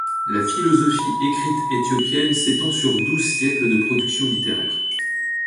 La philosophie écrite éthiopienne s'étend sur douze siècles de production littéraire.